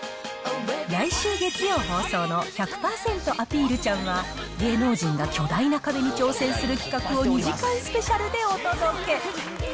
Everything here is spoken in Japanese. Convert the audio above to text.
来週月曜放送の１００％！アピールちゃんは、芸能人が巨大な壁に挑戦する企画を２時間スペシャルでお届け。